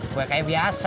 kue kayak biasa